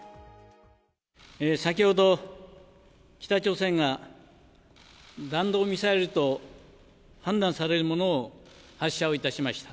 先ほど、北朝鮮が弾道ミサイルと判断されるものを発射をいたしました。